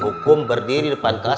dihukum berdiri depan kelas